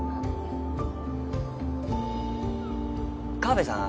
河部さん